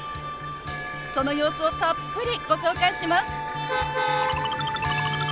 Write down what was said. その様子をたっぷりご紹介します。